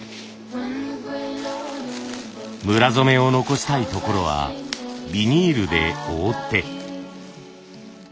むら染めを残したいところはビニールで覆って。